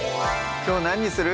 きょう何にする？